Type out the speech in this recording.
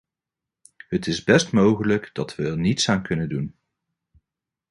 Het is best mogelijk dat we er niets aan kunnen doen.